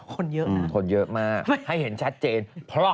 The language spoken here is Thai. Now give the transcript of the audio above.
คนเยอะนะให้เห็นชัดเจนพล็อก